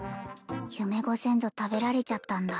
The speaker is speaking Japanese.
夢ご先祖食べられちゃったんだ